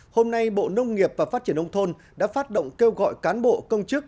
hôm nay bộ nông nghiệp và phát triển nông thôn đã phát động kêu gọi cán bộ công chức